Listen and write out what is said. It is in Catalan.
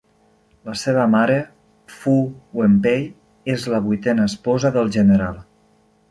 La seva mare, Fu Wenpei, és la vuitena esposa del general.